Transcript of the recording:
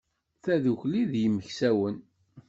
Tadukli d yimeksawen.